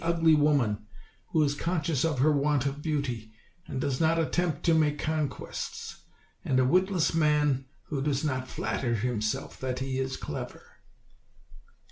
ugly woman, who is conscious of her want of beauty, and does not attempt to make conquests; and a witless man, who does not flatter himself that he is clever."